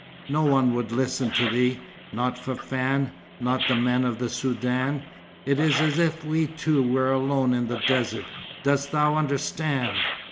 No one would listen to thee. Not Fafann, not the men of the Soudan. It is as if we two were alone in the desert. Dost thou understand?"